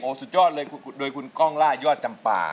สุดยอดเลยโดยคุณก้องล่ายอดจำปา